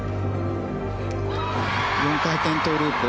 ４回転トウループ。